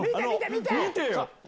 見てよ！